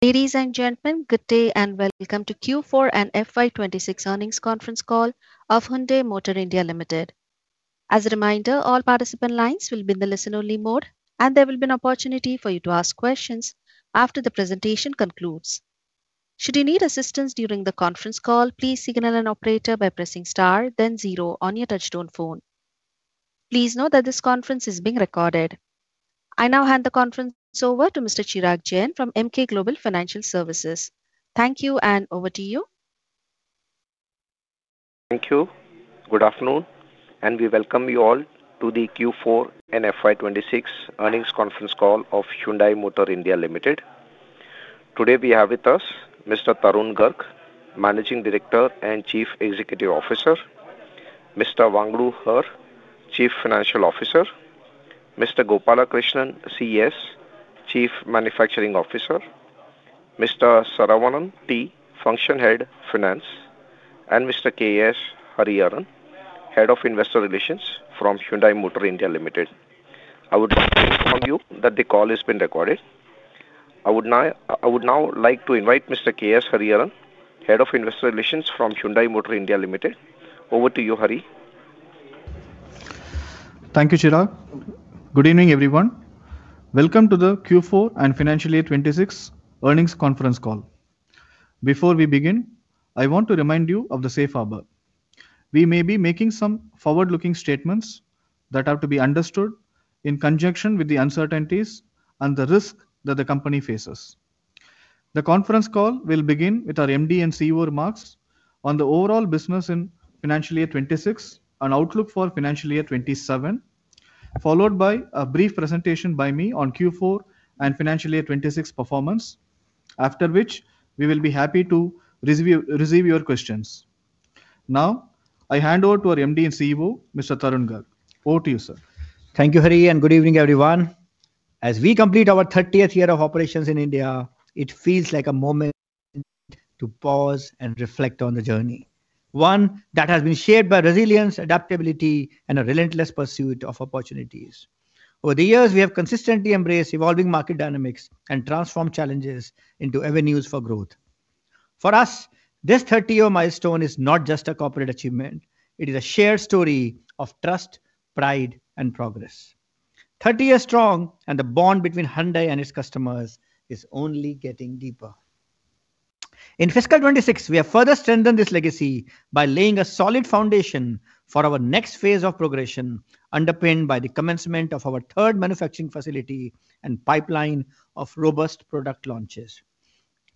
Ladies and gentlemen, good day and welcome to Q4 and FY 2026 earnings conference call of Hyundai Motor India Limited. As a reminder, all participant lines will be in the listen-only mode, and there will be an opportunity for you to ask questions after the presentation concludes. Should you need assistance during the conference call, please signal an operator by pressing star then zero on your touchtone phone. Please note that this conference is being recorded. I now hand the conference over to Mr. Chirag Jain from Emkay Global Financial Services. Thank you, and over to you. Thank you. Good afternoon, and we welcome you all to the Q4 and FY 2026 earnings conference call of Hyundai Motor India Limited. Today, we have with us Mr. Tarun Garg, Managing Director and Chief Executive Officer, Mr. Wangdo Hur, Chief Financial Officer, Mr. Gopalakrishnan CS, Chief Manufacturing Officer, Mr. Saravanan T, Function Head of Finance, and Mr. KS Hariharan, Head of Investor Relations from Hyundai Motor India Limited. I would like to inform you that the call is being recorded. I would now like to invite Mr. KS Hariharan, Head of Investor Relations from Hyundai Motor India Limited. Over to you, Hari. Thank you, Chirag. Good evening, everyone. Welcome to the Q4 and FY 2026 earnings conference call. Before we begin, I want to remind you of the safe harbor. We may be making some forward-looking statements that are to be understood in conjunction with the uncertainties and the risk that the company faces. The conference call will begin with our MD and CEO remarks on the overall business in financial year 2026 and outlook for financial year 2027, followed by a brief presentation by me on Q4 and financial year 2026 performance. After which, we will be happy to receive your questions. I hand over to our MD and CEO, Mr. Tarun Garg. Over to you, sir. Thank you, Hari, and good evening, everyone. As we complete our 30th year of operations in India, it feels like a moment to pause and reflect on the journey. One that has been shaped by resilience, adaptability, and a relentless pursuit of opportunities. Over the years, we have consistently embraced evolving market dynamics and transformed challenges into avenues for growth. For us, this 30-year milestone is not just a corporate achievement, it is a shared story of trust, pride, and progress. 30 years strong, and the bond between Hyundai and its customers is only getting deeper. In fiscal 2026, we have further strengthened this legacy by laying a solid foundation for our next phase of progression, underpinned by the commencement of our third manufacturing facility and pipeline of robust product launches.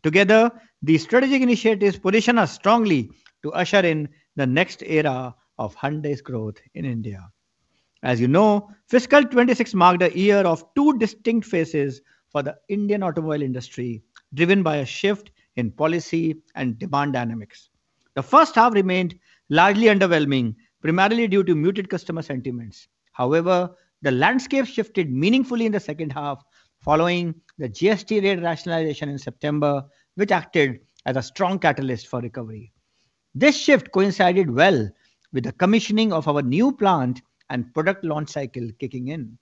Together, these strategic initiatives position us strongly to usher in the next era of Hyundai's growth in India. As you know, fiscal 2026 marked a year of two distinct phases for the Indian automobile industry, driven by a shift in policy and demand dynamics. The first half remained largely underwhelming, primarily due to muted customer sentiments. However, the landscape shifted meaningfully in the second half following the GST rate rationalization in September, which acted as a strong catalyst for recovery. This shift coincided well with the commissioning of our new plant and product launch cycle kicking in.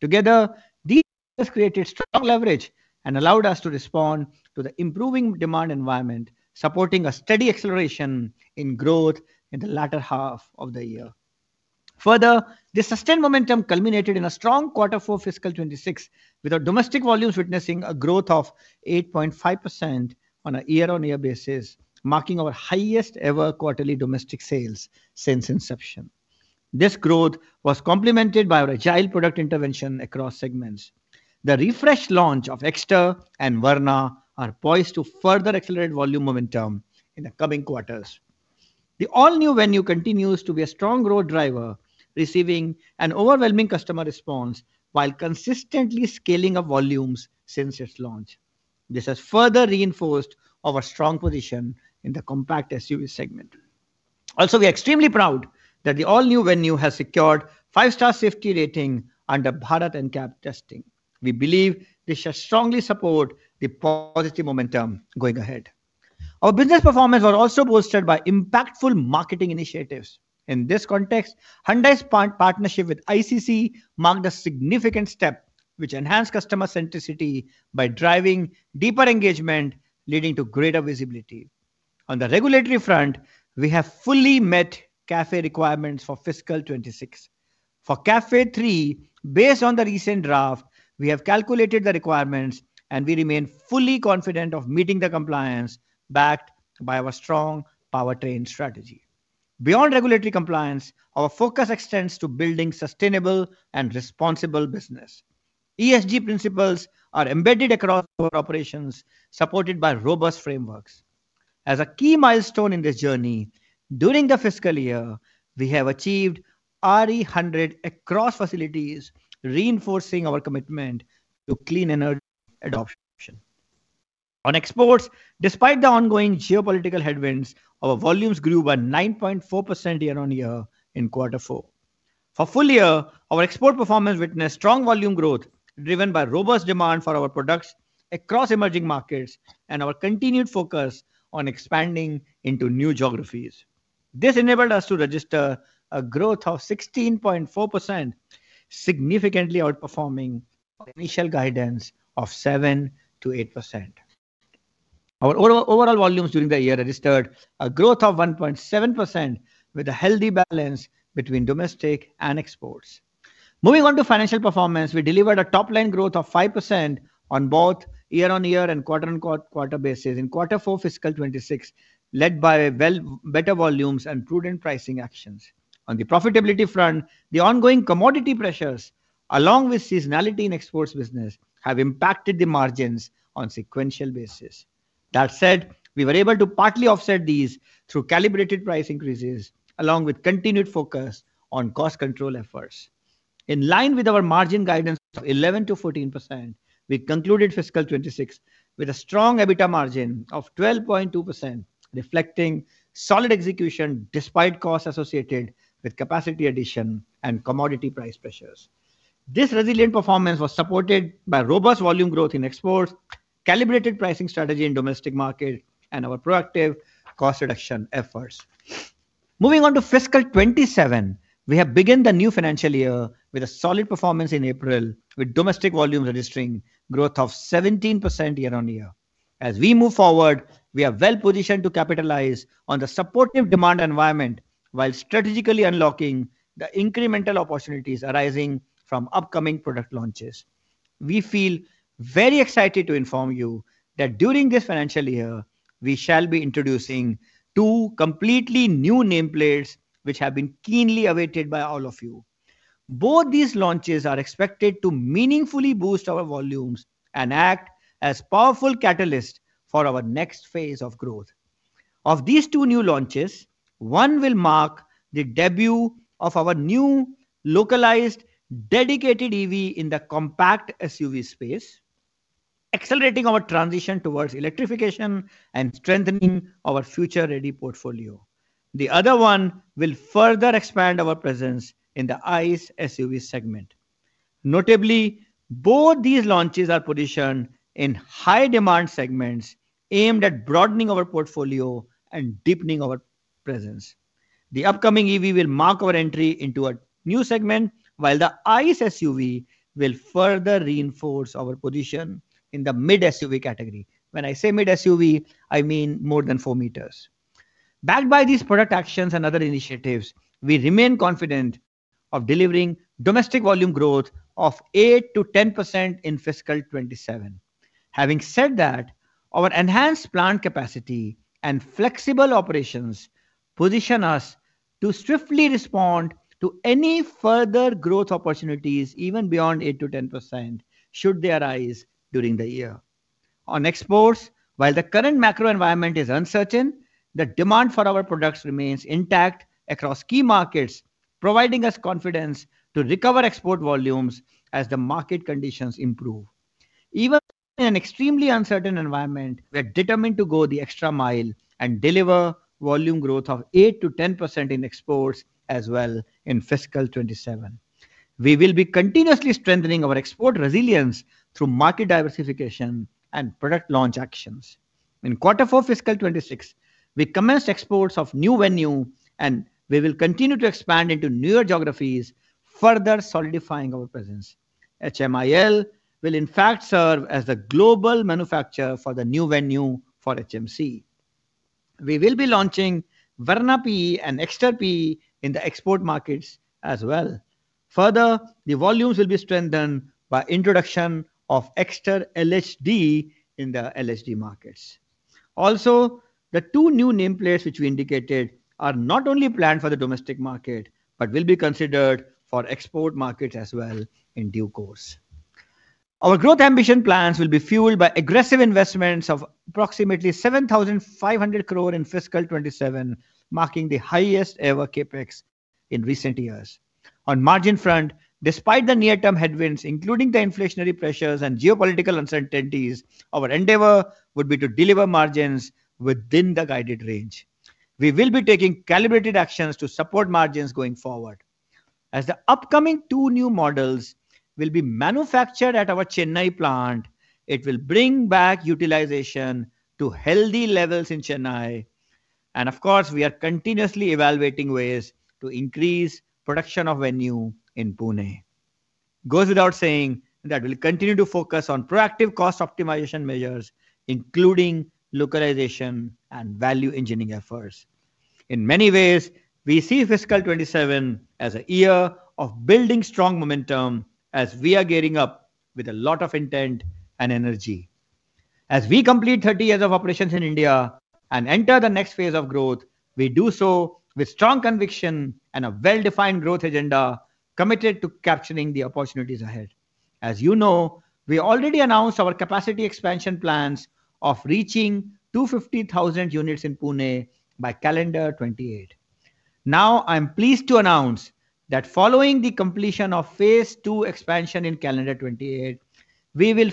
Together, these created strong leverage and allowed us to respond to the improving demand environment, supporting a steady acceleration in growth in the latter half of the year. Further, this sustained momentum culminated in a strong quarter four fiscal 2026, with our domestic volumes witnessing a growth of 8.5% on a year-on-year basis, marking our highest ever quarterly domestic sales since inception. This growth was complemented by our agile product intervention across segments. The refreshed launch of EXTER and VERNA are poised to further accelerate volume momentum in the coming quarters. The all-new VENUE continues to be a strong road driver, receiving an overwhelming customer response while consistently scaling up volumes since its launch. This has further reinforced our strong position in the compact SUV segment. Also, we're extremely proud that the all-new VENUE has secured 5-star safety rating under Bharat NCAP testing. We believe this should strongly support the positive momentum going ahead. Our business performance was also boosted by impactful marketing initiatives. In this context, Hyundai's part-partnership with ICC marked a significant step which enhanced customer centricity by driving deeper engagement, leading to greater visibility. On the regulatory front, we have fully met CAFE requirements for fiscal 2026. For CAFE 3, based on the recent draft, we have calculated the requirements, and we remain fully confident of meeting the compliance backed by our strong powertrain strategy. Beyond regulatory compliance, our focus extends to building sustainable and responsible business. ESG principles are embedded across our operations, supported by robust frameworks. As a key milestone in this journey, during the fiscal year, we have achieved RE100 across facilities, reinforcing our commitment to clean energy adoption. On exports, despite the ongoing geopolitical headwinds, our volumes grew by 9.4% year-on-year in quarter four. For full year, our export performance witnessed strong volume growth, driven by robust demand for our products across emerging markets and our continued focus on expanding into new geographies. This enabled us to register a growth of 16.4%, significantly outperforming initial guidance of 7%-8%. Our overall volumes during the year registered a growth of 1.7% with a healthy balance between domestic and exports. Moving on to financial performance, we delivered a top-line growth of 5% on both year-on-year and quarter-on-quarter basis in quarter four fiscal 2026, led by better volumes and prudent pricing actions. On the profitability front, the ongoing commodity pressures, along with seasonality in exports business, have impacted the margins on sequential basis. That said, we were able to partly offset these through calibrated price increases, along with continued focus on cost control efforts. In line with our margin guidance of 11%-14%, we concluded fiscal 2026 with a strong EBITDA margin of 12.2%, reflecting solid execution despite costs associated with capacity addition and commodity price pressures. This resilient performance was supported by robust volume growth in exports, calibrated pricing strategy in domestic market, and our proactive cost reduction efforts. Moving on to fiscal 2027, we have begun the new financial year with a solid performance in April, with domestic volumes registering growth of 17% year-on-year. As we move forward, we are well-positioned to capitalize on the supportive demand environment while strategically unlocking the incremental opportunities arising from upcoming product launches. We feel very excited to inform you that during this financial year, we shall be introducing two completely new nameplates, which have been keenly awaited by all of you. Both these launches are expected to meaningfully boost our volumes and act as powerful catalyst for our next phase of growth. Of these two new launches, one will mark the debut of our new localized dedicated EV in the compact SUV space, accelerating our transition towards electrification and strengthening our future-ready portfolio. The other one will further expand our presence in the ICE SUV segment. Notably, both these launches are positioned in high-demand segments aimed at broadening our portfolio and deepening our presence. The upcoming EV will mark our entry into a new segment, while the ICE SUV will further reinforce our position in the mid-SUV category. When I say mid-SUV, I mean more than 4 meters. Backed by these product actions and other initiatives, we remain confident of delivering domestic volume growth of 8%-10% in fiscal 2027. Having said that, our enhanced plant capacity and flexible operations position us to swiftly respond to any further growth opportunities, even beyond 8%-10% should they arise during the year. On exports, while the current macro environment is uncertain, the demand for our products remains intact across key markets, providing us confidence to recover export volumes as the market conditions improve. Even in an extremely uncertain environment, we're determined to go the extra mile and deliver volume growth of 8%-10% in exports as well in fiscal 2027. We will be continuously strengthening our export resilience through market diversification and product launch actions. In quarter four fiscal 2026, we commenced exports of new VENUE, and we will continue to expand into newer geographies, further solidifying our presence. HMIL will in fact serve as the global manufacturer for the new VENUE for HMC. We will be launching VERNA PE and EXTER PE in the export markets as well. Further, the volumes will be strengthened by introduction of EXTER CNG in the CNG markets. Also, the two new nameplates which we indicated are not only planned for the domestic market, but will be considered for export markets as well in due course. Our growth ambition plans will be fueled by aggressive investments of approximately 7,500 crore in fiscal 2027, marking the highest ever CapEx in recent years. On margin front, despite the near-term headwinds, including the inflationary pressures and geopolitical uncertainties, our endeavor would be to deliver margins within the guided range. We will be taking calibrated actions to support margins going forward. As the upcoming two new models will be manufactured at our Chennai plant, it will bring back utilization to healthy levels in Chennai, and of course, we are continuously evaluating ways to increase production of VENUE in Pune. It goes without saying that we'll continue to focus on proactive cost optimization measures, including localization and value engineering efforts. In many ways, we see fiscal 2027 as a year of building strong momentum as we are gearing up with a lot of intent and energy. As we complete 30 years of operations in India and enter the next phase of growth, we do so with strong conviction and a well-defined growth agenda committed to capturing the opportunities ahead. As you know, we already announced our capacity expansion plans of reaching 250,000 units in Pune by calendar 2028. I am pleased to announce that following the completion of Phase 2 expansion in calendar 2028, we will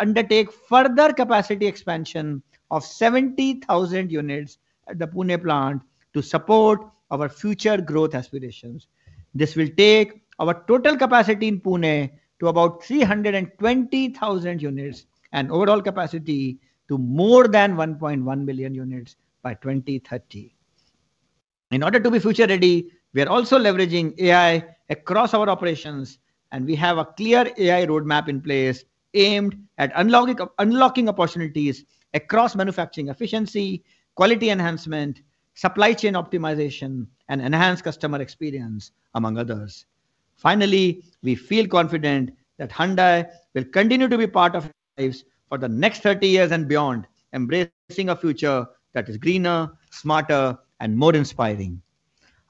undertake further capacity expansion of 70,000 units at the Pune plant to support our future growth aspirations. This will take our total capacity in Pune to about 320,000 units and overall capacity to more than 1.1 million units by 2030. In order to be future ready, we are also leveraging AI across our operations, and we have a clear AI roadmap in place aimed at unlocking opportunities across manufacturing efficiency, quality enhancement, supply chain optimization, and enhanced customer experience, among others. We feel confident that Hyundai will continue to be part of lives for the next 30 years and beyond, embracing a future that is greener, smarter, and more inspiring.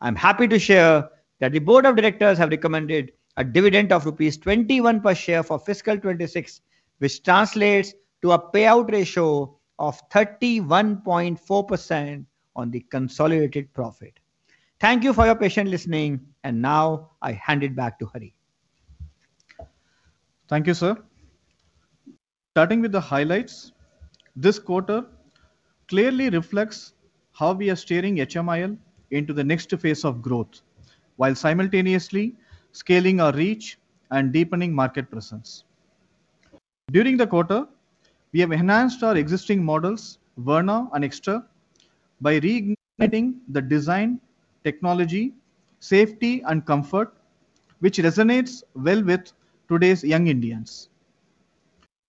I'm happy to share that the board of directors have recommended a dividend of rupees 21 per share for fiscal 2026, which translates to a payout ratio of 31.4% on the consolidated profit. Thank you for your patient listening. Now I hand it back to Hari. Thank you, sir. Starting with the highlights, this quarter clearly reflects how we are steering HMIL into the next phase of growth, while simultaneously scaling our reach and deepening market presence. During the quarter, we have enhanced our existing models, VERNA and EXTER, by reigniting the design, technology, safety, and comfort, which resonates well with today's young Indians.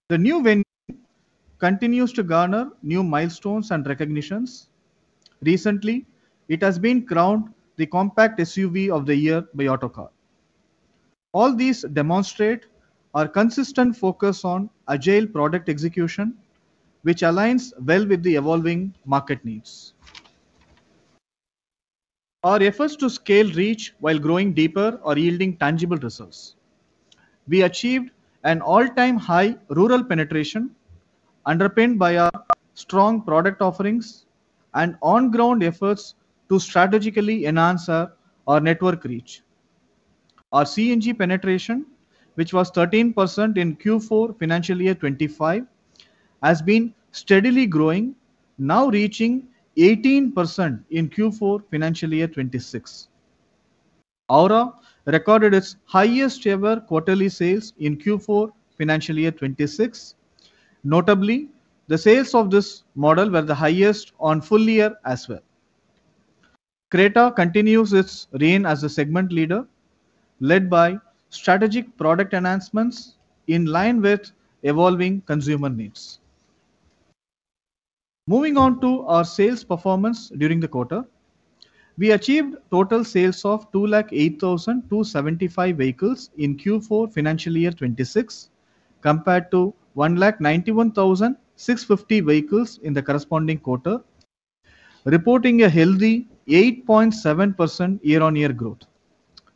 The new VENUE continues to garner new milestones and recognitions. Recently, it has been crowned the Compact SUV of the Year by Autocar. All these demonstrate our consistent focus on agile product execution, which aligns well with the evolving market needs. Our efforts to scale reach while growing deeper are yielding tangible results. We achieved an all-time high rural penetration underpinned by our strong product offerings and on-ground efforts to strategically enhance our network reach. Our CNG penetration, which was 13% in Q4 financial year 2025, has been steadily growing, now reaching 18% in Q4 financial year 2026. Aura recorded its highest-ever quarterly sales in Q4 financial year 2026. Notably, the sales of this model were the highest on full year as well. Creta continues its reign as a segment leader, led by strategic product enhancements in line with evolving consumer needs. Moving on to our sales performance during the quarter. We achieved total sales of 208,275 vehicles in Q4 financial year 2026, compared to 191,650 vehicles in the corresponding quarter, reporting a healthy 8.7% year-on-year growth.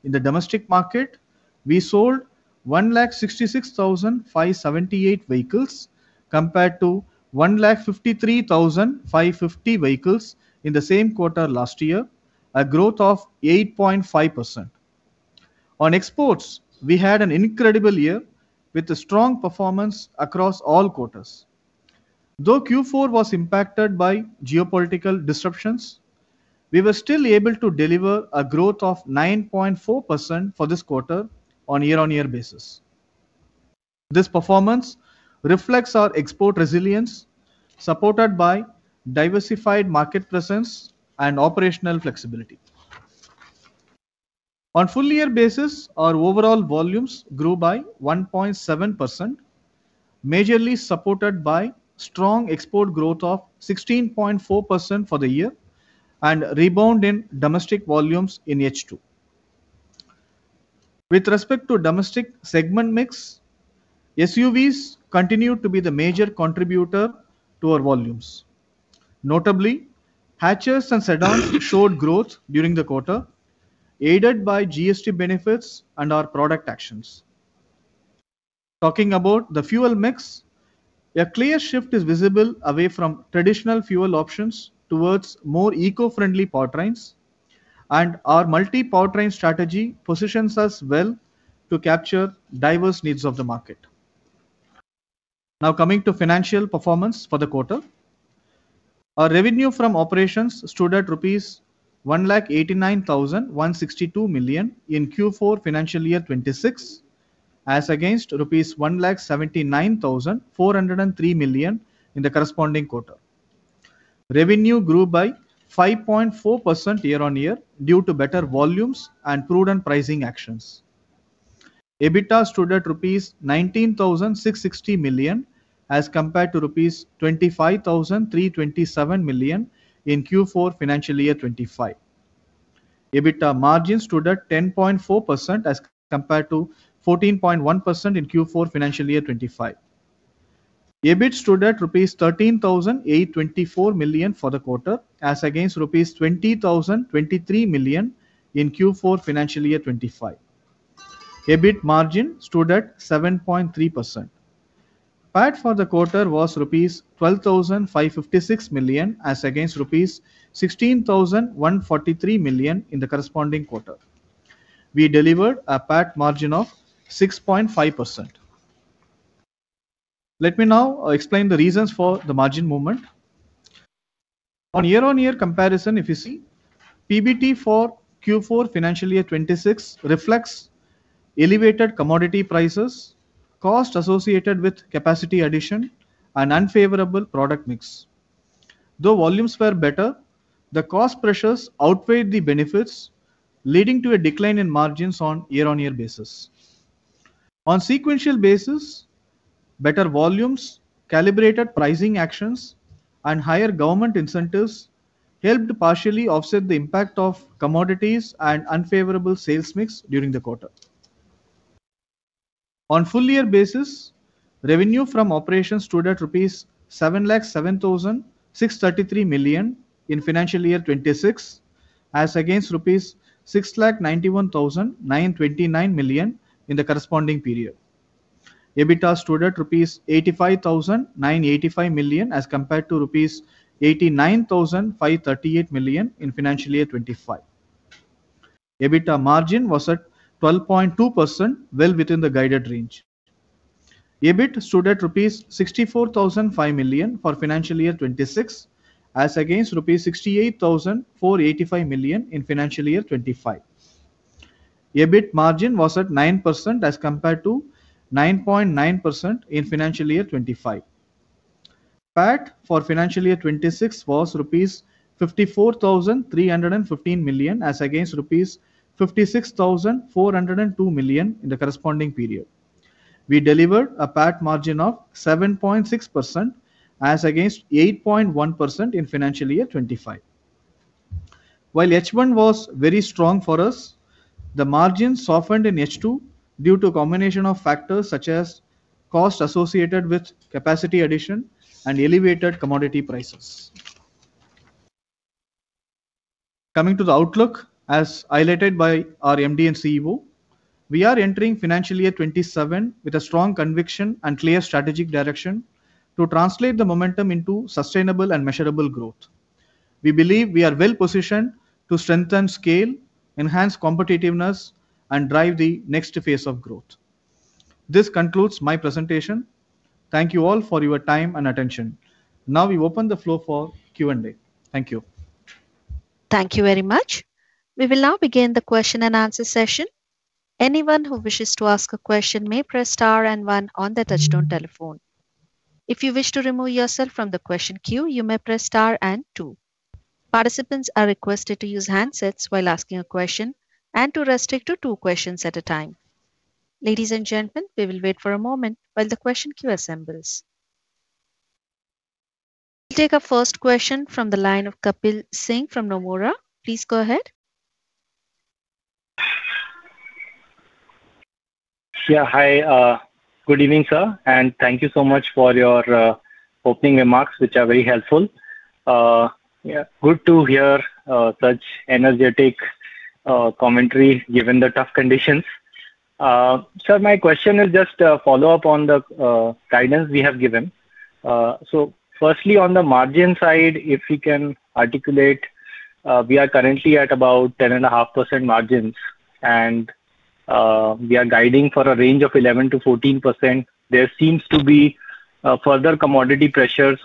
In the domestic market, we sold 166,578 vehicles compared to 153,550 vehicles in the same quarter last year, a growth of 8.5%. On exports, we had an incredible year with a strong performance across all quarters. Though Q4 was impacted by geopolitical disruptions, we were still able to deliver a growth of 9.4% for this quarter on a year-on-year basis. This performance reflects our export resilience, supported by diversified market presence and operational flexibility. On full year basis, our overall volumes grew by 1.7%, majorly supported by strong export growth of 16.4% for the year and a rebound in domestic volumes in H2. With respect to domestic segment mix, SUVs continued to be the major contributor to our volumes. Notably, hatches and sedans showed growth during the quarter, aided by GST benefits and our product actions. Talking about the fuel mix, a clear shift is visible away from traditional fuel options towards more eco-friendly powertrains, and our multi-powertrain strategy positions us well to capture diverse needs of the market. Coming to financial performance for the quarter. Our revenue from operations stood at rupees 1 lakh 89,162 million in Q4 financial year 2026, as against 1 lakh rupees 79,403 million in the corresponding quarter. Revenue grew by 5.4% year-on-year due to better volumes and prudent pricing actions. EBITDA stood at rupees 19,660 million as compared to rupees 25,327 million in Q4 financial year 2025. EBITDA margin stood at 10.4% as compared to 14.1% in Q4 financial year 2025. EBIT stood at rupees 13,824 million for the quarter, as against rupees 20,023 million in Q4 financial year 2025. EBIT margin stood at 7.3%. PAT for the quarter was rupees 12,556 million, as against rupees 16,143 million in the corresponding quarter. We delivered a PAT margin of 6.5%. Let me now explain the reasons for the margin movement. On year-on-year comparison, if you see, PBT for Q4 FY 2026 reflects elevated commodity prices, cost associated with capacity addition and unfavorable product mix. Though volumes were better, the cost pressures outweighed the benefits, leading to a decline in margins on year-on-year basis. On sequential basis, better volumes, calibrated pricing actions, and higher government incentives helped partially offset the impact of commodities and unfavorable sales mix during the quarter. On full year basis, revenue from operations stood at rupees 707,633 million in financial year 2026, as against rupees 691,929 million in the corresponding period. EBITDA stood at rupees 85,985 million as compared to rupees 89,538 million in financial year 2025. EBITDA margin was at 12.2%, well within the guided range. EBIT stood at rupees 64,005 million for financial year 2026, as against rupees 68,485 million in financial year 2025. EBIT margin was at 9% as compared to 9.9% in financial year 2025. PAT for financial year 2026 was rupees 54,315 million as against rupees 56,402 million in the corresponding period. We delivered a PAT margin of 7.6% as against 8.1% in financial year 2025. While H1 was very strong for us, the margins softened in H2 due to a combination of factors such as cost associated with capacity addition and elevated commodity prices. Coming to the outlook, as highlighted by our MD and CEO, we are entering financial year 2027 with a strong conviction and clear strategic direction to translate the momentum into sustainable and measurable growth. We believe we are well-positioned to strengthen scale, enhance competitiveness, and drive the next phase of growth. This concludes my presentation. Thank you all for your time and attention. Now we open the floor for Q&A. Thank you. Thank you very much. We will now begin the question and answer session. Anyone who wishes to ask a question may press star and one on their touchtone telephone. If you wish to remove yourself from the question queue, you may press star and two. Participants are requested to use handsets while asking a question, and to restrict to two questions at a time. Ladies and gentlemen, we will wait for a moment while the question queue assembles. We will take our first question from the line of Kapil Singh from Nomura. Please go ahead. Yeah. Hi. Good evening, sir, and thank you so much for your opening remarks, which are very helpful. Yeah, good to hear such energetic commentary given the tough conditions. My question is just a follow-up on the guidance we have given. Firstly, on the margin side, if you can articulate, we are currently at about 10.5% margins and we are guiding for a range of 11%-14%. There seems to be further commodity pressure.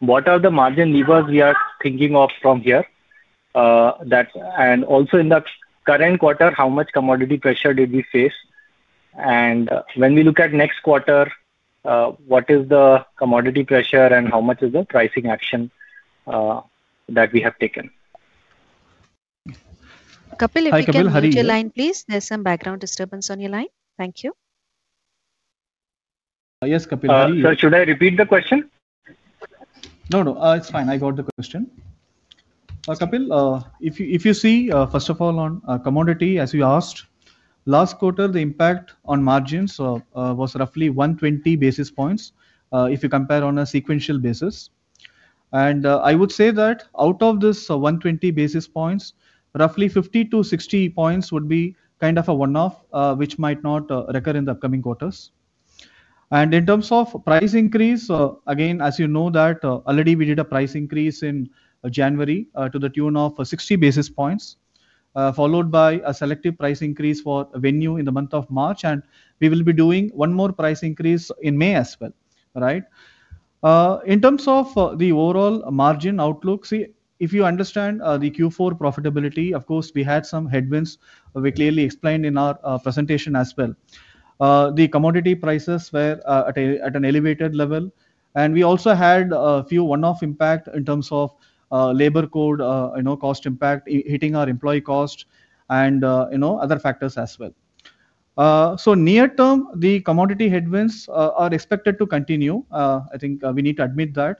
What are the margin levers we are thinking of from here? And also in the current quarter, how much commodity pressure did we face? And when we look at next quarter, what is the commodity pressure and how much is the pricing action that we have taken? Kapil, if you can mute your line, please. There's some background disturbance on your line. Thank you. Yes, Kapil, how are you? Sir, should I repeat the question? No, no. It's fine. I got the question. Kapil, if you see, first of all on commodity, as you asked, last quarter the impact on margins was roughly 120 basis points, if you compare on a sequential basis. I would say that out of this 120 basis points, roughly 50-60 points would be kind of a one-off, which might not recur in the upcoming quarters. In terms of price increase, again, as you know that already we did a price increase in January, to the tune of 60 basis points, followed by a selective price increase for VENUE in the month of March, and we will be doing one more price increase in May as well, right? In terms of the overall margin outlook, see, if you understand, the Q4 profitability, of course, we had some headwinds we clearly explained in our presentation as well. The commodity prices were at an elevated level and we also had a few one-off impact in terms of labor code, you know, cost impact hitting our employee cost and, you know, other factors as well. Near term, the commodity headwinds are expected to continue. I think we need to admit that.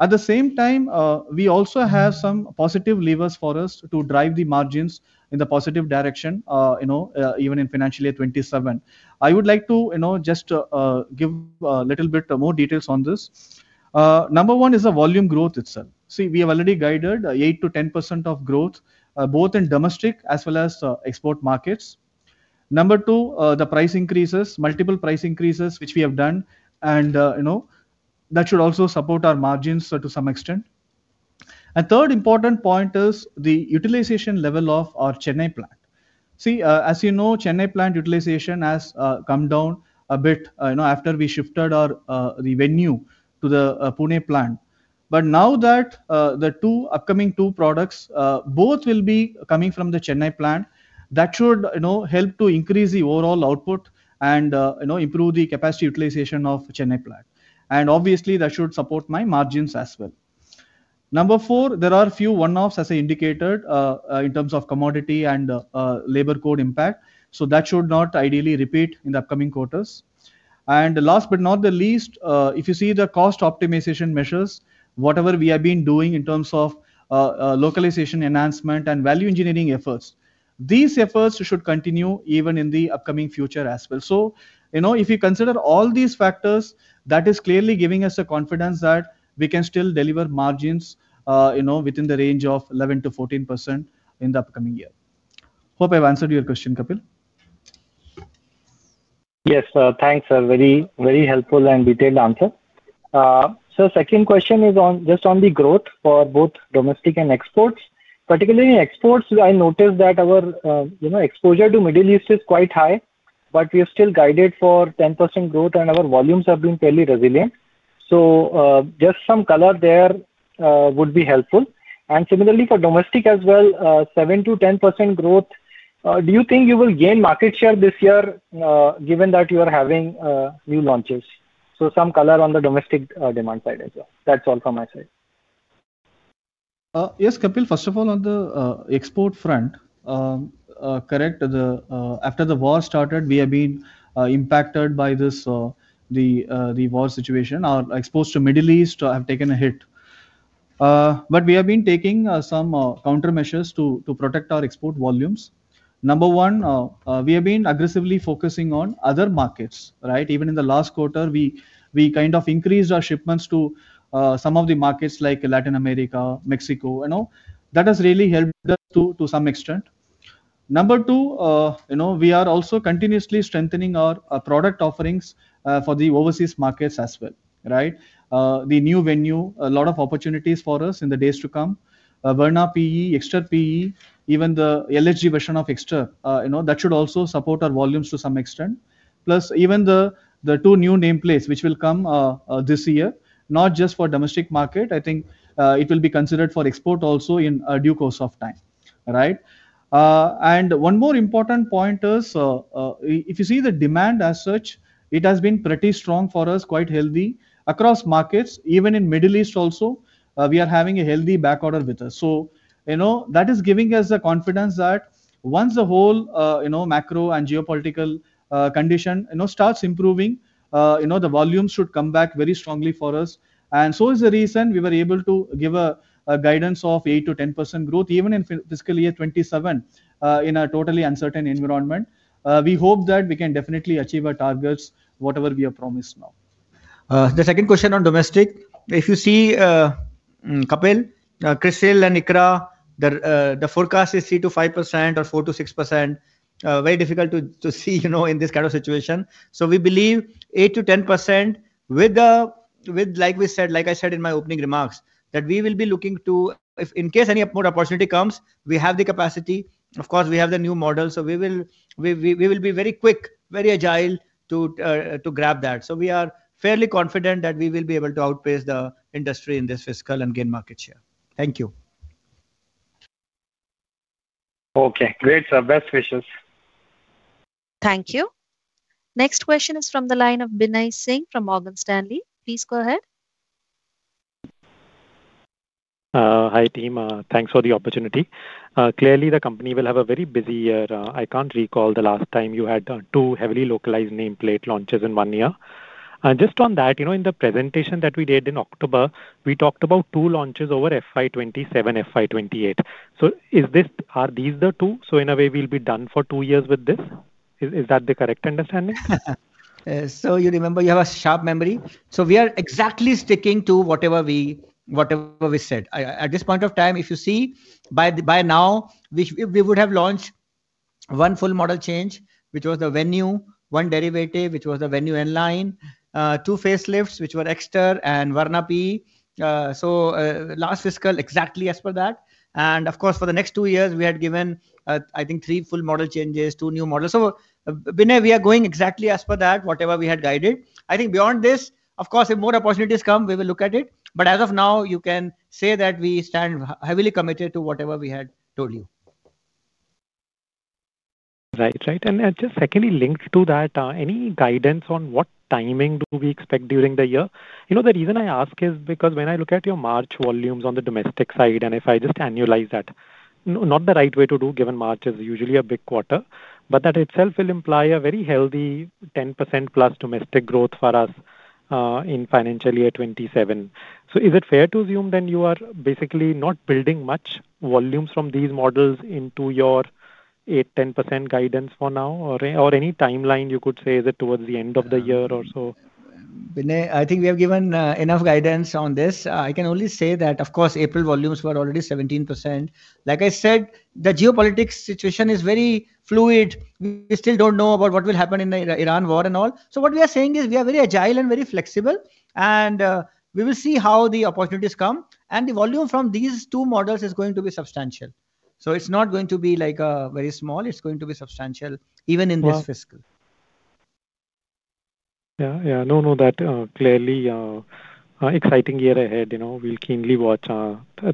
At the same time, we also have some positive levers for us to drive the margins in the positive direction, you know, even in financial year 2027. I would like to, you know, just give a little bit more details on this. Number one is the volume growth itself. See, we have already guided 8%-10% of growth, both in domestic as well as export markets. Number two, the price increases, multiple price increases, which we have done and, you know, that should also support our margins to some extent. A third important point is the utilization level of our Chennai plant. See, as you know, Chennai plant utilization has come down a bit, you know, after we shifted our VENUE to the Pune plant. Now that the two upcoming products, both will be coming from the Chennai plant, that should, you know, help to increase the overall output and, you know, improve the capacity utilization of Chennai plant. Obviously that should support my margins as well. Number four, there are a few one-offs, as I indicated, in terms of commodity and labor code impact. That should not ideally repeat in the upcoming quarters. The last but not the least, if you see the cost optimization measures, whatever we have been doing in terms of localization enhancement and value engineering efforts, these efforts should continue even in the upcoming future as well. You know, if you consider all these factors, that is clearly giving us the confidence that we can still deliver margins, you know, within the range of 11%-14% in the upcoming year. Hope I've answered your question, Kapil. Yes, thanks, a very, very helpful and detailed answer. Second question is on, just on the growth for both domestic and exports. Particularly in exports, I noticed that our, you know, exposure to Middle East is quite high, but we are still guided for 10% growth, and our volumes have been fairly resilient. Just some color there would be helpful. Similarly for domestic as well, 7%-10% growth, do you think you will gain market share this year, given that you are having new launches? Some color on the domestic demand side as well. That's all from my side. Yes, Kapil. First of all, on the export front, correct, after the war started, we have been impacted by the war situation. Our exports to Middle East have taken a hit. But we have been taking some countermeasures to protect our export volumes. Number one, we have been aggressively focusing on other markets, right? Even in the last quarter, we kind of increased our shipments to some of the markets like Latin America, Mexico. You know, that has really helped us to some extent. Number two, you know, we are also continuously strengthening our product offerings for the overseas markets as well, right? The new VENUE, a lot of opportunities for us in the days to come. VERNA PE, EXTER PE, even the CNG version of EXTER, you know, that should also support our volumes to some extent. Even the two new nameplates which will come this year, not just for domestic market, I think, it will be considered for export also in due course of time. Right? One more important point is, if you see the demand as such, it has been pretty strong for us, quite healthy across markets. Even in Middle East also, we are having a healthy backorder with us. You know, that is giving us the confidence that once the whole, you know, macro and geopolitical condition, you know, starts improving, you know, the volumes should come back very strongly for us. So is the reason we were able to give a guidance of 8%-10% growth even in fiscal year 2027 in a totally uncertain environment. We hope that we can definitely achieve our targets, whatever we have promised now. The second question on domestic. If you see Kapil, CRISIL and ICRA, the forecast is 3%-5% or 4%-6%. Very difficult to see, you know, in this kind of situation. We believe 8%-10% with the with, like we said, like I said in my opening remarks, that we will be looking to if in case any more opportunity comes, we have the capacity. Of course, we have the new models, we will be very quick, very agile to grab that. We are fairly confident that we will be able to outpace the industry in this fiscal and gain market share. Thank you. Okay, great, sir. Best wishes. Thank you. Next question is from the line of Binay Singh from Morgan Stanley. Please go ahead. Hi, team. Thanks for the opportunity. Clearly the company will have a very busy year. I can't recall the last time you had two heavily localized nameplate launches in one year. Just on that, you know, in the presentation that we did in October, we talked about two launches over FY 2027, FY 2028. Are these the two? In a way, we'll be done for two years with this. Is that the correct understanding? You remember. You have a sharp memory. We are exactly sticking to whatever we said. At this point of time, if you see, by now we would have launched one full model change, which was the VENUE, one derivative, which was the VENUE N Line, two facelifts, which were EXTER and VERNA PE. Last fiscal exactly as per that. Of course, for the next two years we had given, I think three full model changes, two new models. Binay, we are going exactly as per that, whatever we had guided. I think beyond this, of course, if more opportunities come, we will look at it. As of now, you can say that we stand heavily committed to whatever we had told you. Right. Right. Just secondly linked to that, any guidance on what timing do we expect during the year? You know, the reason I ask is because when I look at your March volumes on the domestic side, if I just annualize that, not the right way to do, given March is usually a big quarter, but that itself will imply a very healthy 10%+ domestic growth for us in financial year 2027. Is it fair to assume then you are basically not building much volumes from these models into your 8%-10% guidance for now? Or any timeline you could say that towards the end of the year or so? Binay, I think we have given enough guidance on this. I can only say that, of course, April volumes were already 17%. Like I said, the geopolitics situation is very fluid. We still don't know about what will happen in the Iran war and all. What we are saying is we are very agile and very flexible and we will see how the opportunities come. The volume from these two models is going to be substantial. It's not going to be like very small. It's going to be substantial even in this fiscal. Yeah, yeah. No, no, that clearly exciting year ahead, you know. We'll keenly watch.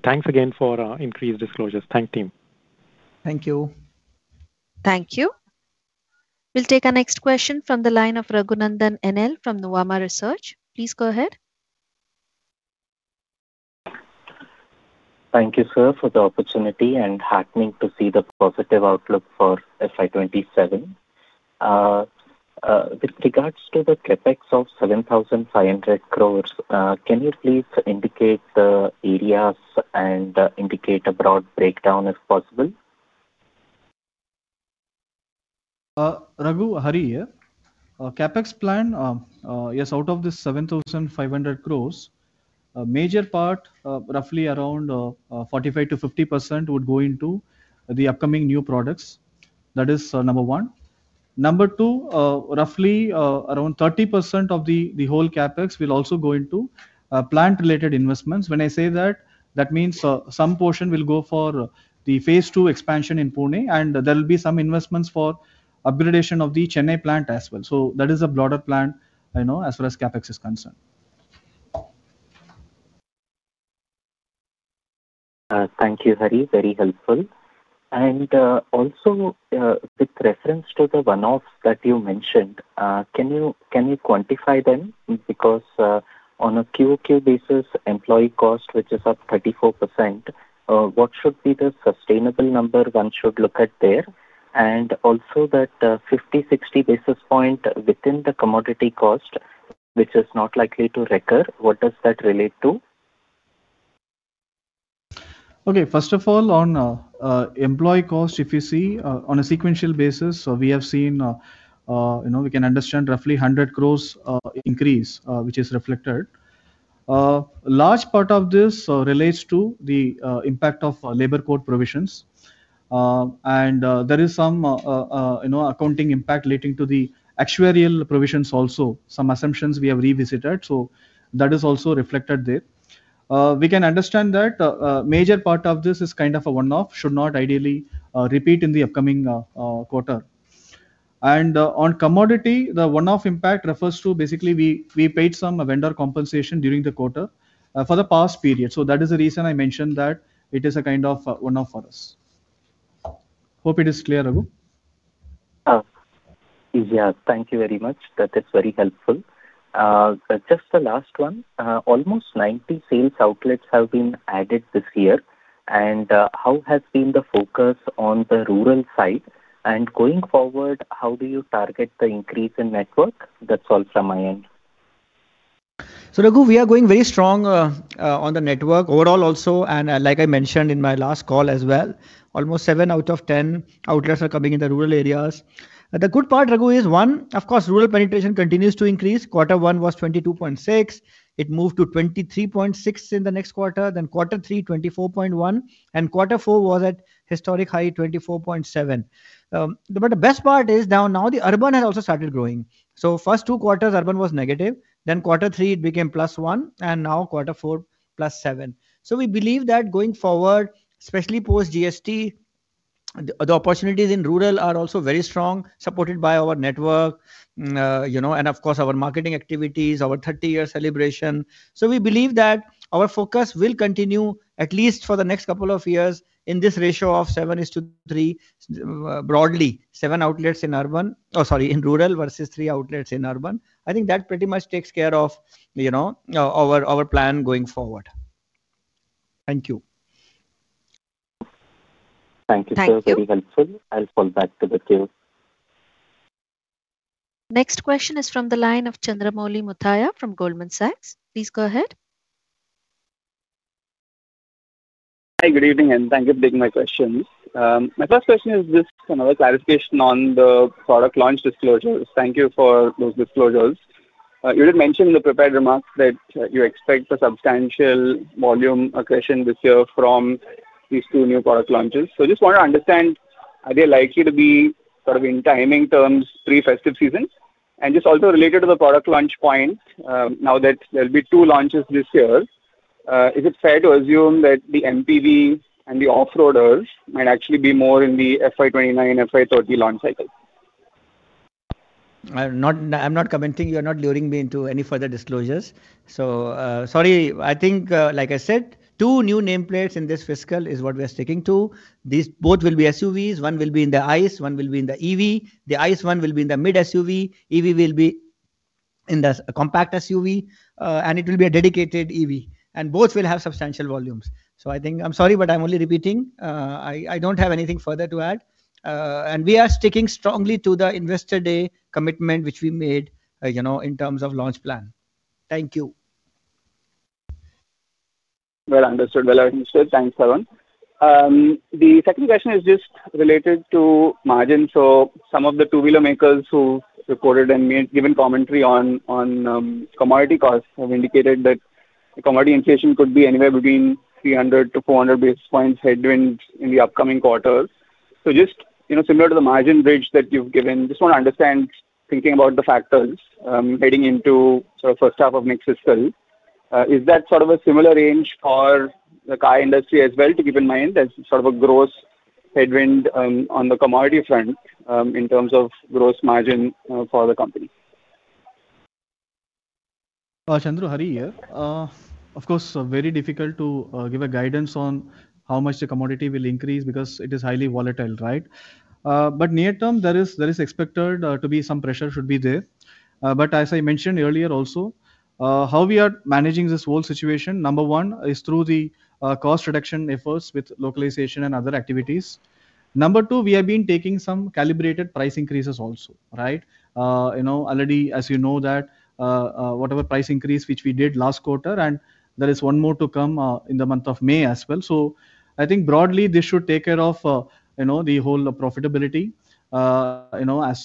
Thanks again for increased disclosures. Thanks, team. Thank you. Thank you. We'll take our next question from the line of Raghunandhan NL from the Nuvama Research. Please go ahead. Thank you, sir, for the opportunity, and heartening to see the positive outlook for FY 2027. With regards to the CapEx of 7,500 crore, can you please indicate the areas and indicate a broad breakdown if possible? Raghu, Hari here. CapEx plan, yes, out of the 7,500 crore, a major part, roughly around 45%-50% would go into the upcoming new products. That is number one. Number two, roughly, around 30% of the whole CapEx will also go into plant related investments. When I say that means, some portion will go for the Phase 2 expansion in Pune, and there'll be some investments for upgradation of the Chennai plant as well. That is a broader plan, you know, as far as CapEx is concerned. Thank you, Hari. Very helpful. Also, with reference to the one-offs that you mentioned, can you quantify them? Because, on a QoQ basis, employee cost, which is up 34%, what should be the sustainable number one should look at there? Also that, 50, 60 basis point within the commodity cost, which is not likely to recur, what does that relate to? Okay. First of all, on employee cost, if you see on a sequential basis, we have seen, you know, we can understand roughly 100 crores increase, which is reflected. Large part of this relates to the impact of labor code provisions. There is some, you know, accounting impact relating to the actuarial provisions also. Some assumptions we have revisited, that is also reflected there. We can understand that major part of this is kind of a one-off, should not ideally repeat in the upcoming quarter. On commodity, the one-off impact refers to basically we paid some vendor compensation during the quarter for the past period. That is the reason I mentioned that it is a kind of a one-off for us. Hope it is clear, Raghu. Yeah. Thank you very much. That is very helpful. Just the last one. Almost 90 sales outlets have been added this year. How has been the focus on the rural side? Going forward, how do you target the increase in network? That's all from my end. Raghu, we are going very strong on the network. Overall also, like I mentioned in my last call as well, almost seven out of 10 outlets are coming in the rural areas. The good part, Raghu, is, one, of course, rural penetration continues to increase. Quarter one was 22.6%. It moved to 23.6% in the next quarter. Quarter three, 24.1%. Quarter four was at historic high, 24.7%. The best part is now the urban has also started growing. First two quarters, urban was negative. Quarter three, it became +1%, now quarter four, +7%. We believe that going forward, especially post GST, the opportunities in rural are also very strong, supported by our network, you know, and of course our marketing activities, our 30-year celebration. We believe that our focus will continue at least for the next couple of years in this ratio of 7% is to 3%, broadly, seven outlets in urban Oh, sorry, in rural versus three outlets in urban. I think that pretty much takes care of, you know, our plan going forward. Thank you. Thank you, sir. Thank you. Very helpful. I'll fall back to the queue. Next question is from the line of Chandramouli Muthiah from Goldman Sachs. Please go ahead. Hi. Good evening. Thank you for taking my questions. My first question is just another clarification on the product launch disclosures. Thank you for those disclosures. You did mention in the prepared remarks that you expect a substantial volume accretion this year from these two new product launches. Just want to understand, are they likely to be sort of in timing terms pre-festive season? Just also related to the product launch point, now that there'll be two launches this year, is it fair to assume that the MPV and the off-roaders might actually be more in the FY 2029 and FY 2030 launch cycle? I'm not commenting. You're not luring me into any further disclosures. Sorry. I think, like I said, two new nameplates in this fiscal is what we are sticking to. These both will be SUVs. One will be in the ICE, one will be in the EV. The ICE one will be in the mid SUV, EV will be in the compact SUV. It will be a dedicated EV. Both will have substantial volumes. I think I'm sorry, but I'm only repeating. I don't have anything further to add. We are sticking strongly to the Investor Day commitment which we made, you know, in terms of launch plan. Thank you. Well understood. Well understood. Thanks, Tarun. The second question is just related to margin. Some of the two-wheeler makers who reported and made, given commentary on commodity costs have indicated that commodity inflation could be anywhere between 300 to 400 basis points headwind in the upcoming quarters. Just, you know, similar to the margin bridge that you've given, just want to understand, thinking about the factors heading into sort of first half of next fiscal, is that sort of a similar range for the car industry as well to keep in mind as sort of a gross headwind on the commodity front in terms of gross margin for the company? Chandru, Hari here. Of course, very difficult to give a guidance on how much the commodity will increase because it is highly volatile, right? Near term there is expected to be some pressure should be there. As I mentioned earlier also, how we are managing this whole situation, number one is through the cost reduction efforts with localization and other activities. Number two, we have been taking some calibrated price increases also, right? You know, already as you know that, whatever price increase which we did last quarter, and there is one more to come in the month of May as well. I think broadly this should take care of, you know, the whole profitability, you know, as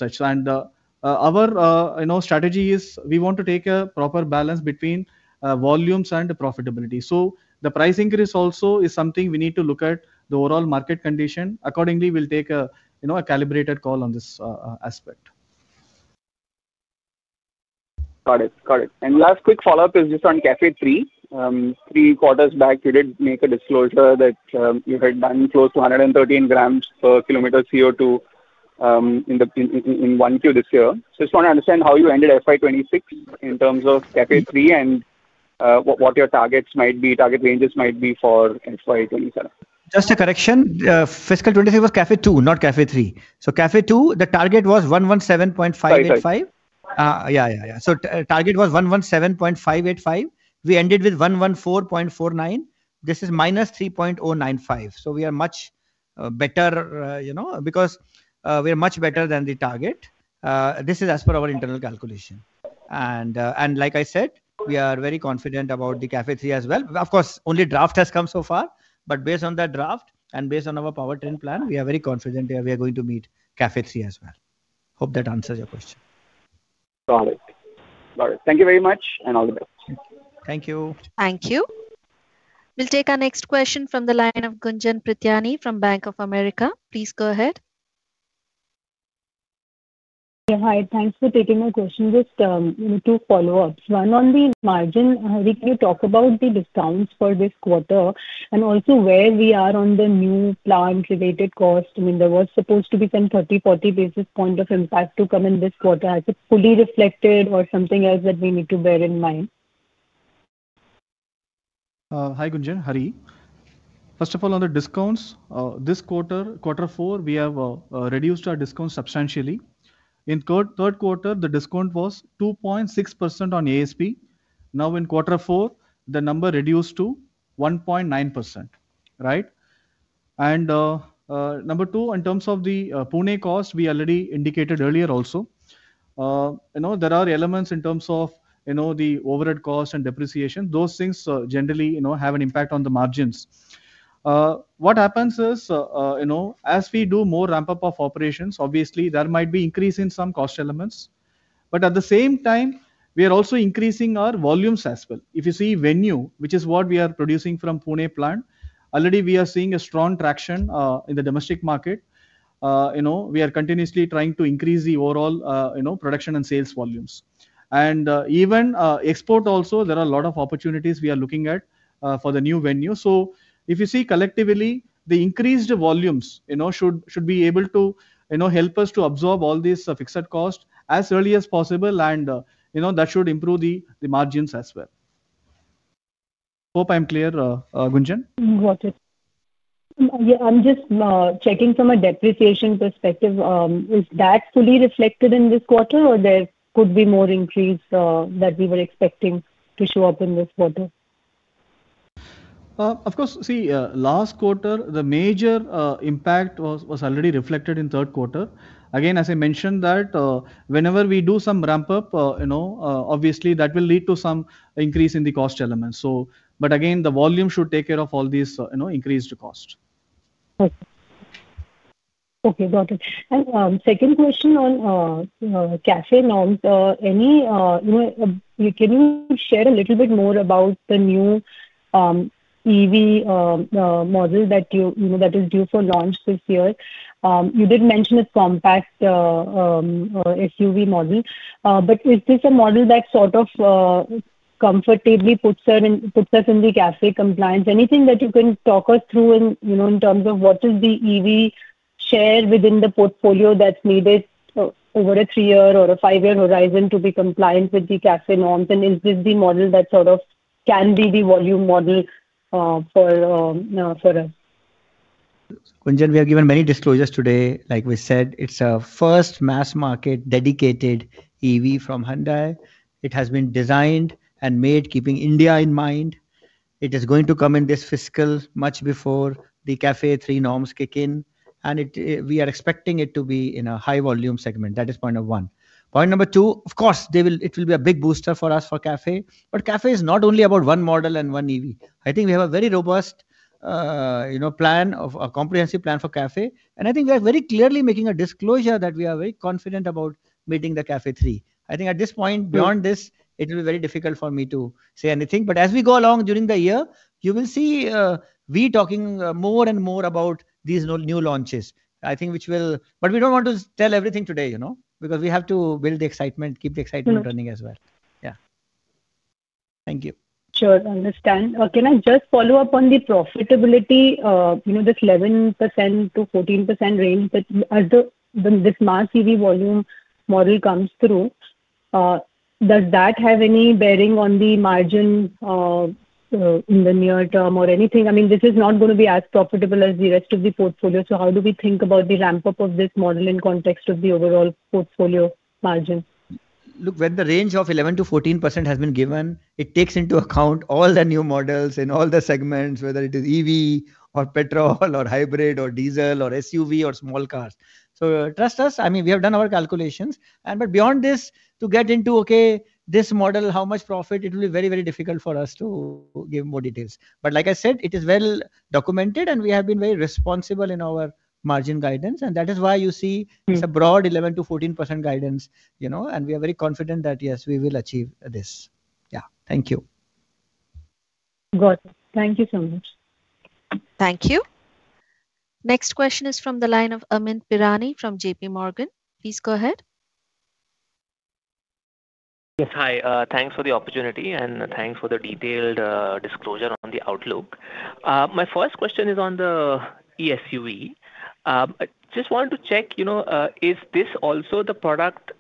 such. Our, you know, strategy is we want to take a proper balance between volumes and profitability. The price increase also is something we need to look at the overall market condition. Accordingly, we'll take a, you know, a calibrated call on this aspect. Got it. Got it. Last quick follow-up is just on CAFE 3. Three quarters back you did make a disclosure that you had done close to 113 g/km CO2 in the 1Q this year. Just want to understand how you ended FY 2026 in terms of CAFE 3 and what your targets might be, target ranges might be for FY 2027. Just a correction. fiscal 2023 was CAFE 2, not CAFE 3. CAFE 2, the target was 117.585. Sorry, sorry. Yeah, yeah. Target was 117.585. We ended with 114.49. This is -3.095. We are much better, you know, because we are much better than the target. This is as per our internal calculation. Like I said, we are very confident about the CAFE 3 as well. Of course, only draft has come so far, but based on that draft and based on our powertrain plan, we are very confident that we are going to meet CAFE 3 as well. Hope that answers your question. Got it. Thank you very much. All the best. Thank you. Thank you. Thank you. We'll take our next question from the line of Gunjan Prithyani from Bank of America. Please go ahead. Yeah, hi. Thanks for taking my question. Just two follow-ups. One on the margin. Can you talk about the discounts for this quarter, and also where we are on the new plant related cost? I mean, there was supposed to be some 30, 40 basis point of impact to come in this quarter. Is it fully reflected or something else that we need to bear in mind? Hi, Gunjan. Hari. First of all, on the discounts, this quarter four, we have reduced our discounts substantially. In third quarter, the discount was 2.6% on ASP. Now in quarter four, the number reduced to 1.9%, right? Number two, in terms of the Pune cost, we already indicated earlier also. You know, there are elements in terms of, you know, the overhead cost and depreciation. Those things, generally, you know, have an impact on the margins. What happens is, you know, as we do more ramp-up of operations, obviously there might be increase in some cost elements, but at the same time, we are also increasing our volumes as well. If you see VENUE, which is what we are producing from Pune plant, already we are seeing a strong traction in the domestic market. You know, we are continuously trying to increase the overall, you know, production and sales volumes. Even, export also, there are a lot of opportunities we are looking at for the new VENUE. If you see collectively, the increased volumes, you know, should be able to, you know, help us to absorb all these fixed cost as early as possible and, you know, that should improve the margins as well. Hope I'm clear, Gunjan. Got it. I'm just checking from a depreciation perspective, is that fully reflected in this quarter, or there could be more increase that we were expecting to show up in this quarter? Of course. See, last quarter, the major impact was already reflected in third quarter. Again, as I mentioned that, whenever we do some ramp-up, you know, obviously that will lead to some increase in the cost elements. Again, the volume should take care of all these, you know, increased cost. Okay. Okay, got it. Second question on CAFE norms. Any, you know, can you share a little bit more about the new EV model that you know, that is due for launch this year? You did mention it's compact SUV model. Is this a model that sort of, comfortably puts us in the CAFE compliance? Anything that you can talk us through in, you know, in terms of what is the EV share within the portfolio that's needed over a three-year or a five-year horizon to be compliant with the CAFE norms, and is this the model that sort of can be the volume model for us? Gunjan, we have given many disclosures today. Like we said, it's a first mass market dedicated EV from Hyundai. It has been designed and made keeping India in mind. It is going to come in this fiscal much before the CAFE 3 norms kick in, and it, we are expecting it to be in a high volume segment. That is point of one. Point number two, of course, it will be a big booster for us for CAFE. CAFE is not only about one model and one EV. I think we have a very robust, you know, plan of a comprehensive plan for CAFE. I think we are very clearly making a disclosure that we are very confident about meeting the CAFE 3. I think at this point. Beyond this, it will be very difficult for me to say anything. As we go along during the year, you will see, we talking more and more about these new launches. We don't want to tell everything today, you know? We have to build the excitement running as well. Yeah. Thank you. Sure, understand. Can I just follow up on the profitability? You know, this 11%-14% range that as the, when this mass EV volume model comes through, does that have any bearing on the margin, in the near term or anything? I mean, this is not gonna be as profitable as the rest of the portfolio, so how do we think about the ramp up of this model in context of the overall portfolio margin? Look, when the range of 11%-14% has been given, it takes into account all the new models in all the segments, whether it is EV or petrol or hybrid or diesel or SUV or small cars. Trust us, I mean, we have done our calculations. Beyond this, to get into, okay, this model, how much profit, it will be very difficult for us to give more details. Like I said, it is well documented and we have been very responsible in our margin guidance, and that is why you see it's a broad 11%-14% guidance, you know, and we are very confident that, yes, we will achieve this. Yeah. Thank you. Got it. Thank you so much. Thank you. Next question is from the line of Amyn Pirani from JPMorgan. Please go ahead. Yes. Hi, thanks for the opportunity, and thanks for the detailed disclosure on the outlook. My first question is on the SUV. I just wanted to check, you know, is this also the product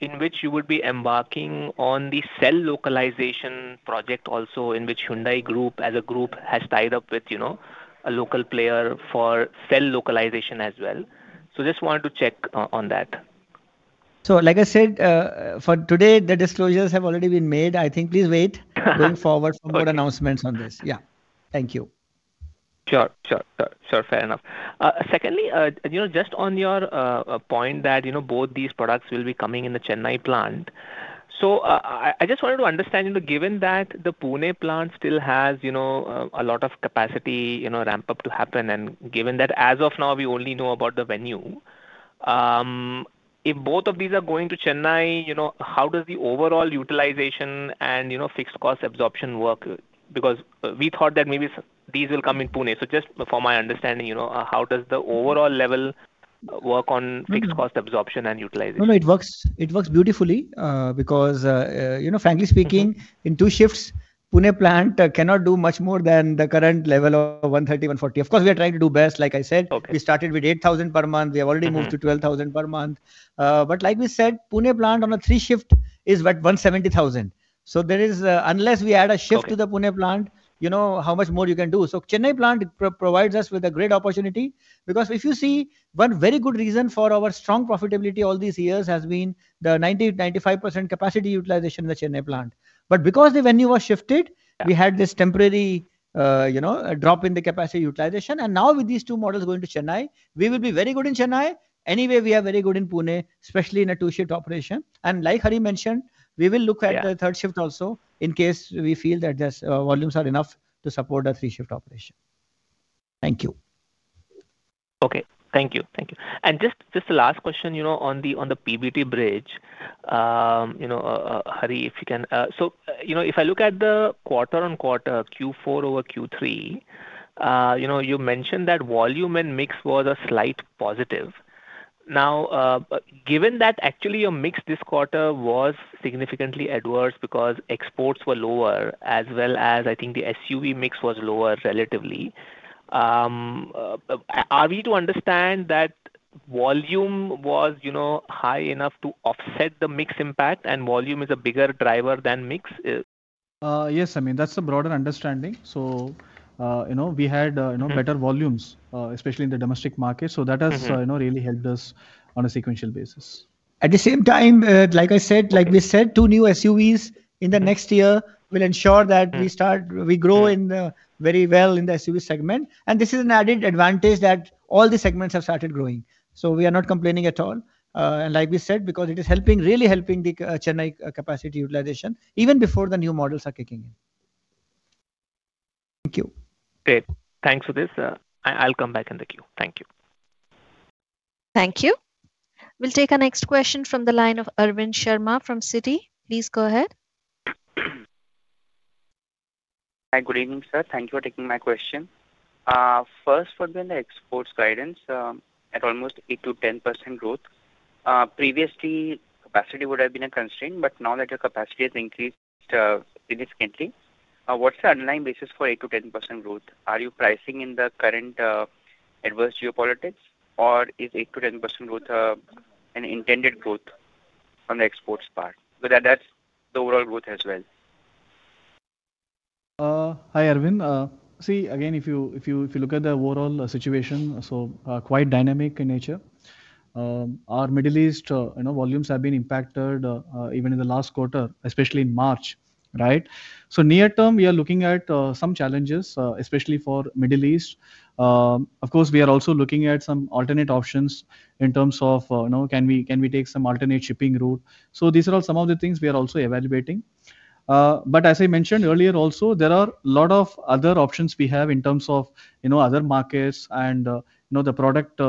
in which you would be embarking on the cell localization project also in which Hyundai Group as a group has tied up with, you know, a local player for cell localization as well? Just wanted to check on that. Like I said, for today the disclosures have already been made. I think please wait going forward for more announcements on this. Yeah. Thank you. Sure. Sure. Sure. Sure, fair enough. Secondly, you know, just on your point that, you know, both these products will be coming in the Chennai plant. I just wanted to understand, you know, given that the Pune plant still has, you know, a lot of capacity, you know, ramp up to happen, and given that as of now we only know about the VENUE. If both of these are going to Chennai, you know, how does the overall utilization and, you know, fixed cost absorption work? Because we thought that maybe these will come in Pune. Just for my understanding, you know, how does the overall level work? Fixed cost absorption and utilization? No, no, it works beautifully. You know. Okay in two shifts, Pune plant cannot do much more than the current level of 130, 140. Of course, we are trying to do best, like I said. Okay. We started with 8,000 per month. We have already moved to 12,000 per month. like we said, Pune plant on a three shift is at 170,000. there is, unless we add a shift. Okay to the Pune plant, you know how much more you can do. Chennai plant provides us with a great opportunity. If you see, one very good reason for our strong profitability all these years has been the 90%-95% capacity utilization in the Chennai plant. Because the VENUE was shifted. Yeah we had this temporary, you know, drop in the capacity utilization. Now with these two models going to Chennai, we will be very good in Chennai. We are very good in Pune, especially in a two-shift operation. Yeah Like Hari mentioned, we will look at the third shift also in case we feel that there's, volumes are enough to support a three-shift operation. Thank you. Okay. Thank you. Thank you. Just the last question, you know, on the PBT bridge. You know, Hari, if you can. You know, if I look at the quarter-on-quarter, Q4 over Q3, you know, you mentioned that volume and mix was a slight positive. Given that actually your mix this quarter was significantly adverse because exports were lower as well as I think the SUV mix was lower relatively, are we to understand that volume was, you know, high enough to offset the mix impact and volume is a bigger driver than mix? Yes, I mean, that's a broader understanding. You know, we had better volumes, especially in the domestic market. That has, you know, really helped us on a sequential basis. At the same time. Okay. Like we said, two new SUVs in the next year will ensure that- Yeah We grow very well in the SUV segment. This is an added advantage that all the segments have started growing. We are not complaining at all. Like we said, because it is helping, really helping the Chennai capacity utilization even before the new models are kicking in. Thank you. Great. Thanks for this. I'll come back in the queue. Thank you. Thank you. We'll take our next question from the line of Arvind Sharma from Citi. Please go ahead. Hi, good evening, sir. Thank you for taking my question. First would be on the exports guidance, at almost 8%-10% growth. Previously capacity would have been a constraint, but now that your capacity has increased significantly, what's the underlying basis for 8%-10% growth? Are you pricing in the current adverse geopolitics or is 8%-10% growth an intended growth on the exports part? That adds the overall growth as well. Hi, Arvind. See, again, if you look at the overall situation, quite dynamic in nature. Our Middle East, you know, volumes have been impacted even in the last quarter, especially in March, right? Near term we are looking at some challenges especially for Middle East. Of course, we are also looking at some alternate options in terms of, you know, can we take some alternate shipping route. These are all some of the things we are also evaluating. As I mentioned earlier also, there are lot of other options we have in terms of, you know, other markets and, you know, the product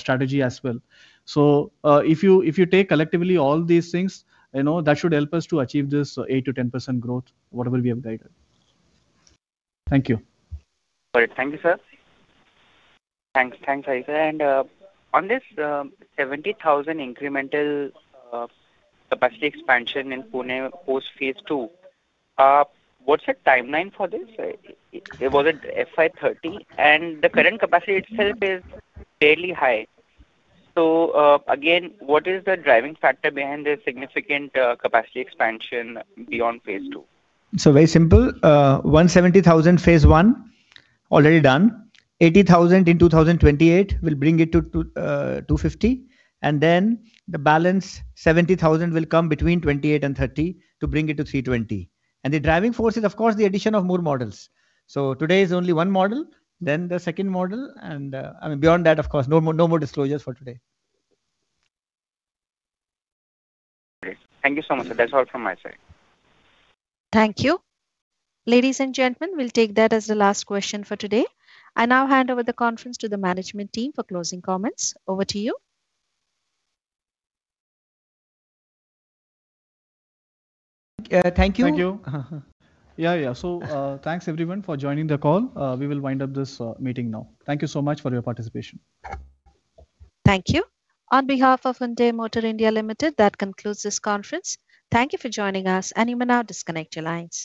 strategy as well. If you take collectively all these things, you know, that should help us to achieve this 8%-10% growth, what will be updated. Thank you. Got it. Thank you, sir. Thanks. Thanks, Hari, sir. On this, 70,000 incremental capacity expansion in Pune post Phase 2, what's the timeline for this? It was at FY 2030, and the current capacity itself is fairly high. Again, what is the driving factor behind this significant capacity expansion beyond Phase 2? Very simple, 170,000 Phase 1 already done. 80,000 in 2028 will bring it to 250. The balance 70,000 will come between 2028 and 2030 to bring it to 320. The driving force is, of course, the addition of more models. Today is only one model, then the second model, and, I mean, beyond that, of course, no more disclosures for today. Great. Thank you so much, sir. That's all from my side. Thank you. Ladies and gentlemen, we'll take that as the last question for today. I now hand over the conference to the management team for closing comments. Over to you. Thank you. Thank you. Yeah, yeah. Thanks everyone for joining the call. We will wind up this meeting now. Thank you so much for your participation. Thank you. On behalf of Hyundai Motor India Limited, that concludes this conference. Thank you for joining us. You may now disconnect your line.